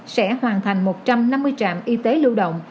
sẽ hoàn thành một trăm năm mươi trạm y tế lưu động